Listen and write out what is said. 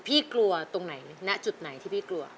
กลัวตรงไหนณจุดไหนที่พี่กลัว